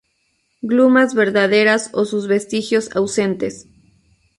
Glumas verdaderas o sus vestigios ausentes.